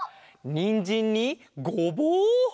にんじんにごぼう！